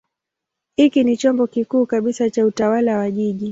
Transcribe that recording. Hiki ni chombo kikuu kabisa cha utawala wa kijiji.